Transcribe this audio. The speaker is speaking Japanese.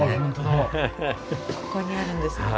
ここにあるんですか？